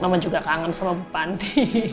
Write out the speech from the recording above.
mama juga kangen sama ibu panti